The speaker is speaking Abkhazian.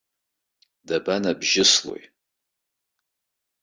Дабанабжьыслои?